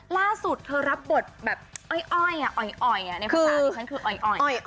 ล่าสุดรับบทแบบอ่อยอ่อยคืออย